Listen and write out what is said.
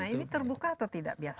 nah ini terbuka atau tidak biasa